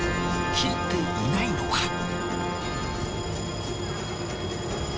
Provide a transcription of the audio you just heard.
効いていないのか？